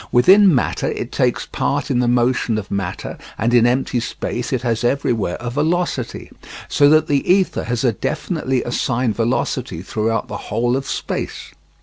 Within matter it takes part in the motion of matter and in empty space it has everywhere a velocity; so that the ether has a definitely assigned velocity throughout the whole of space.